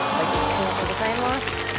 ありがとうございます。